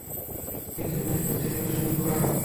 নিশ্চয়ই মায়ের পেট থেকে আসোনি, কোডা।